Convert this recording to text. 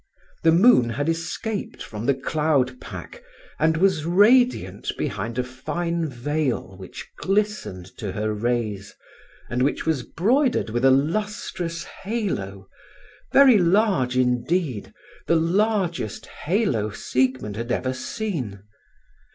The moon had escaped from the cloud pack, and was radiant behind a fine veil which glistened to her rays, and which was broidered with a lustrous halo, very large indeed, the largest halo Siegmund had ever seen.